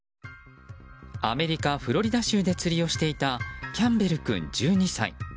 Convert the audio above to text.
アメリカ・フロリダ州で釣りをしていたキャンベル君、１２歳。